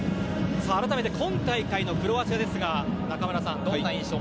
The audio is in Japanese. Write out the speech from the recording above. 改めて今大会のクロアチアですが中村さん